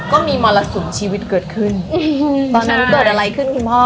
ก็มีมรสุมชีวิตเกิดขึ้นตอนนั้นเกิดอะไรขึ้นคุณพ่อ